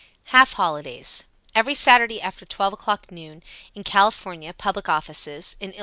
Half Holidays. Every Saturday after 12 o'clock noon; in Calif., public offices; in Ill.